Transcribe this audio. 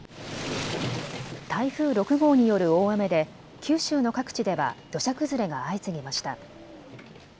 台風６号による大雨で九州の各地では土砂崩れが相次ぎました。